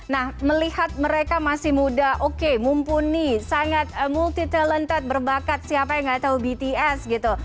nah melihat mereka masih muda oke mumpuni sangat multi talented berbakat siapa yang nggak tahu bts gitu